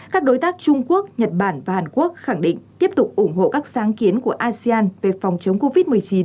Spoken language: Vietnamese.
các đối tác trung quốc nhật bản và hàn quốc khẳng định tiếp tục ủng hộ các sáng kiến của asean về phòng chống covid một mươi chín